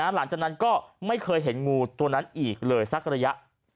หลังจากนั้นก็ไม่เคยเห็นงูตัวนั้นอีกเลยสักระยะ